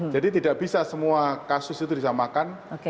jadi tidak bisa semua kasus itu disamakan